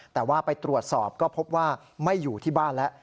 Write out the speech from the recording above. แต่ว่าไปตรวจสอบก็พบว่าไม่อยู่ที่บ้านแล้ว